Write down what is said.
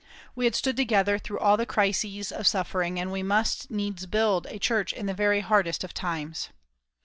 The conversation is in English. We had stood together through all the crises of suffering, and we must needs build a church in the very hardest of times.